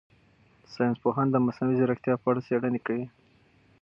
ساینس پوهان د مصنوعي ځیرکتیا په اړه څېړنې کوي.